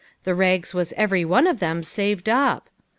The rags was every one of them saved up.